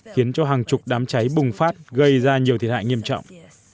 khiến cho hàng chục đám cháy bùng phát gây ra nhiều thiệt hại nghiêm trọng